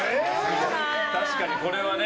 確かに、これはね。